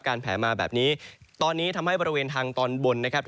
แผลมาแบบนี้ตอนนี้ทำให้บริเวณทางตอนบนนะครับ